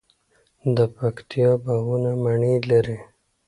د پکتیا باغونه مڼې لري.